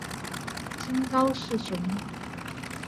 今高雄市内门区。